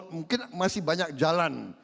mungkin masih banyak jalan